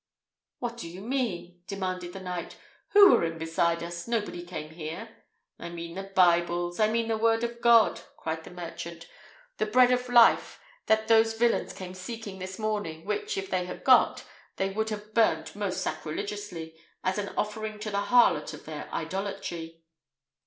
"What do you mean?" demanded the knight. "Who were in beside us? Nobody came here." "I mean the Bibles; I mean the Word of God," cried the merchant; "the bread of life, that those villains came seeking this morning, which, if they had got, they would have burnt most sacrilegiously, as an offering to the harlot of their idolatry."